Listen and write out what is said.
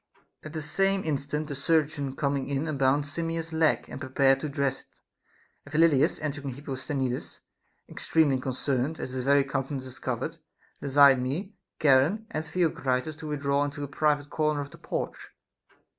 IT. At the same instant the chirurgeon coming in un bound Simmias's leg and prepared to dress it ; and Phyl lidas entering with Hipposthenides, extremely concerned, as his very countenance discovered, desired me, Charon, and Theocritus to withdraw into a private corner of the porch.